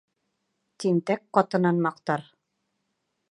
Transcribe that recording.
Тинтәк ҡатынын маҡтар.